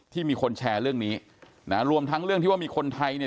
ที่มีคนแชร์เรื่องนี้นะรวมทั้งเรื่องที่ว่ามีคนไทยเนี่ย